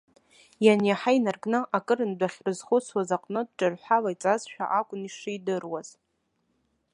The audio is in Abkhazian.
Ианиаҳа инаркны, акырынтә дахьрызхәыцхьаз аҟнытә, ҿырҳәала иҵазшәа акәын ишидыруаз.